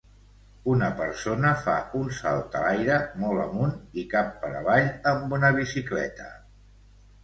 Una persona fa un salt a l'aire, molt amunt i cap per avall, amb una bicicleta.